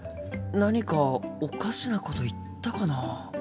何かおかしなこと言ったかな？